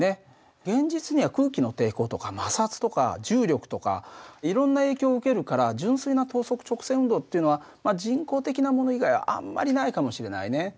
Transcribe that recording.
現実には空気の抵抗とか摩擦とか重力とかいろんな影響を受けるから純粋な等速直線運動っていうのは人工的なもの以外はあんまりないかもしれないね。